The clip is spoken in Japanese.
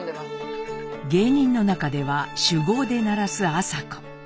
芸人の中では酒豪でならす麻子。